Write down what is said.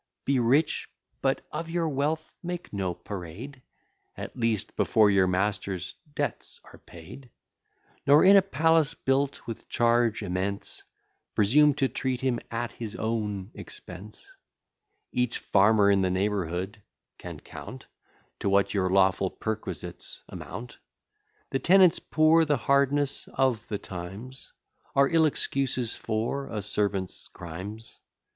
Be rich; but of your wealth make no parade; At least, before your master's debts are paid; Nor in a palace, built with charge immense, Presume to treat him at his own expense. Each farmer in the neighbourhood can count To what your lawful perquisites amount. The tenants poor, the hardness of the times, Are ill excuses for a servant's crimes.